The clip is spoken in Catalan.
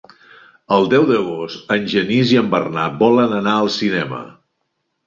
El deu d'agost en Genís i en Bernat volen anar al cinema.